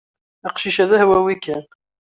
Aqcic-a d ahwawi kan.